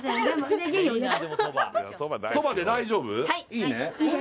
いいね？